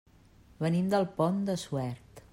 Venim del Pont de Suert.